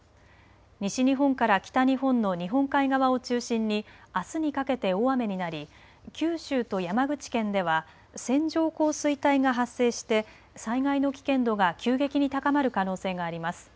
西日本から北日本の日本海側を中心にあすにかけて大雨になり九州と山口県では線状降水帯が発生して災害の危険度が急激に高まる可能性があります。